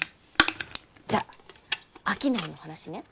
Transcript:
じゃあ商いの話ね。